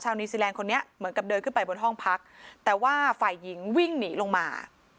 นิวซีแลนด์คนนี้เหมือนกับเดินขึ้นไปบนห้องพักแต่ว่าฝ่ายหญิงวิ่งหนีลงมา